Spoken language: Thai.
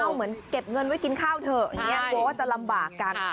เหมือนเก็บเงินไว้กินข้าวเถอะเพราะว่าจะลำบากกัน